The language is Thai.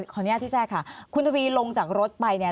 ขออนุญาตที่แทรกค่ะคุณทวีลงจากรถไปเนี่ย